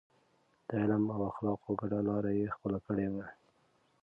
د علم او اخلاقو ګډه لار يې خپله کړې وه.